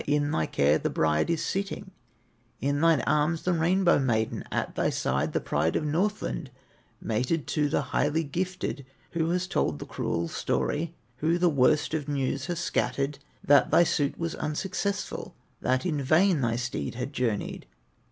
In thy care the bride is sitting, In thine arms, the Rainbow maiden, At thy side, the pride of Northland, Mated to the highly gifted. Who has told the cruel story, Who the worst of news has scattered, That thy suit was unsuccessful, That in vain thy steed had journeyed?